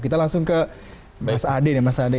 kita langsung ke mas ade